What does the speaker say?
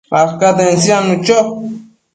acaten siadnu cho